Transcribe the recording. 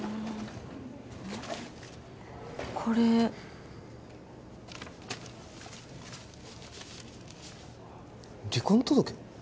これ離婚届？